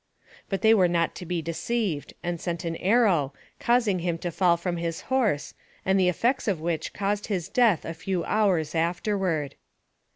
But they were not to be deceived, and sent an arrow, causing him to fall from his horse, and the effects of which caused his death a few hours afterward.